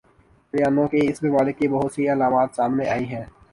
شریانوں کی اس بیماری کی بہت سی علامات سامنے آئی ہیں